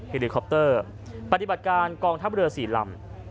ลิคอปเตอร์ปฏิบัติการกองทัพเรือ๔ลำ